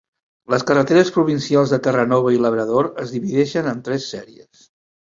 Les carreteres provincials de Terranova i Labrador es divideixen en tres sèries.